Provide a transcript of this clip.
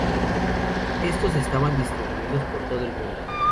Estos estaban distribuidos por todo el mundo.